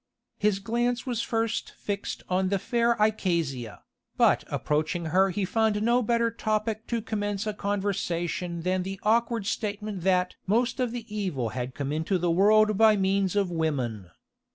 His glance was first fixed on the fair Eikasia, but approaching her he found no better topic to commence a conversation than the awkward statement that "most of the evil had come into the world by means of women."